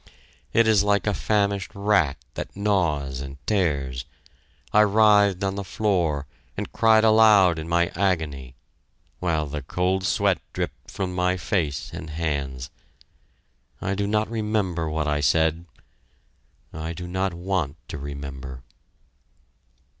It is like a famished rat that gnaws and tears. I writhed on the floor and cried aloud in my agony, while the cold sweat dripped from my face and hands. I do not remember what I said... I do not want to remember...